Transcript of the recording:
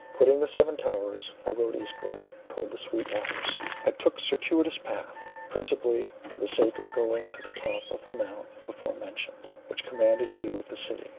Quitting the Seven Towers, I rode eastward towards the Sweet Waters. I took a circuitous path, principally for the sake of going to the top of the mount before mentioned, which commanded a view of the city.